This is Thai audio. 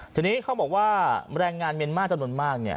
ทีนี้เขาบอกว่าแรงงานเมนมาสจำนวนมาก